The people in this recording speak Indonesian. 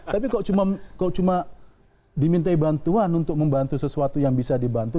tapi kok cuma dimintai bantuan untuk membantu sesuatu yang bisa dibantu